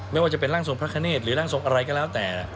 ไม่ว่าจะเป็นร่างทรงพระคเนธหรือร่างทรงอะไรก็แล้วแต่